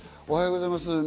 おはようございます。